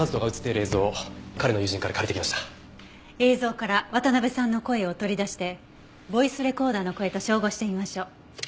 映像から渡辺さんの声を取り出してボイスレコーダーの声と照合してみましょう。